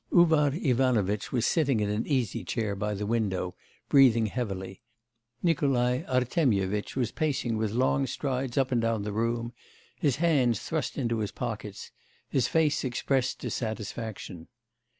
Uvar Ivanovitch was sitting in an easy chair by the window, breathing heavily; Nikolai Artemyevitch was pacing with long strides up and down the room, his hands thrust into his pockets; his face expressed dissatisfaction.